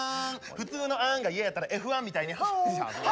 普通のあんが嫌やったらＦ１みたいにファーンファーン。